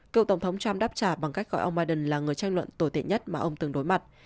cựu tổng thống trump đáp trả bằng cách gọi ông biden là người tranh luận tồi tệ nhất mà ông từng đối mặt